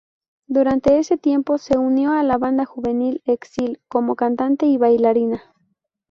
Durante ese tiempo, se unió a la banda juvenil Exile, como cantante y bailarina.